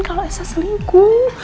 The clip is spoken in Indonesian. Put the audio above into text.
kalau elsa selingkuh